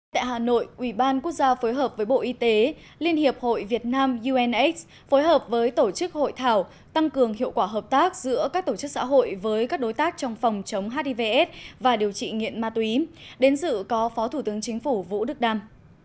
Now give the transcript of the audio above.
tại hà nội ủy ban quốc gia phối hợp với bộ y tế liên hiệp hội việt nam unx phối hợp với tổ chức hội thảo tăng cường hiệu quả hợp tác giữa các tổ chức xã hội với các đối tác trong phòng chống hivs và điều trị nghiện ma túy đến dự có phó thủ tướng chính phủ vũ đức đam